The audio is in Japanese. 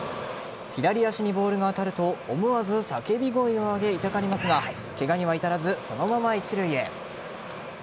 左足にボールが当たると思わず叫び声を上げ痛がりますがケガには至らず、そのまま一塁へ。